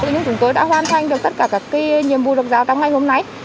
nhưng chúng tôi đã hoàn thành được tất cả các nhiệm vụ độc giáo trong ngày hôm nay